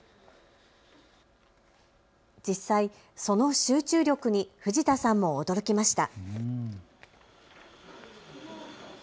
実際、その集中力に藤田さんも驚きました。